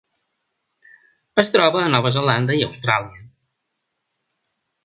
Es troba a Nova Zelanda i Austràlia.